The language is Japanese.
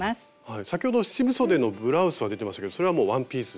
先ほど七分そでのブラウスは出てましたけどそれはワンピース。